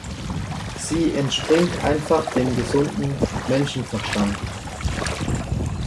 Sie entspringt einfach dem gesunden Menschenverstand.